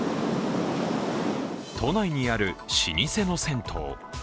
都内にある老舗の銭湯。